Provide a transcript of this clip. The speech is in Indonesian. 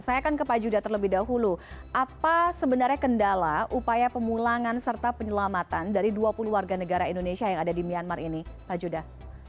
saya akan ke pak judah terlebih dahulu apa sebenarnya kendala upaya pemulangan serta penyelamatan dari dua puluh warga negara indonesia yang ada di myanmar ini pak judah